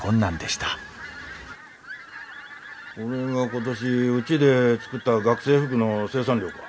これが今年うちで作った学生服の生産量か。